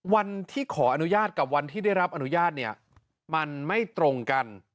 วันที่ขออนุญาตกับวันที่ได้รับอนุญาตเนี่ยมันไม่ตรงกัน